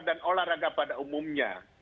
dan olahraga pada umumnya